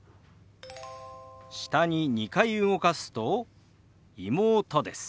下に２回動かすと「妹」です。